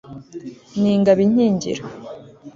ni ingabo inkingira